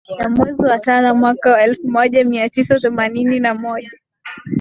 Ya mwezi wa tano mwaka wa elfu moja mia tisa themanini na moja